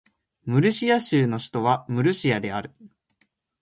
ムルシア州の州都はムルシアである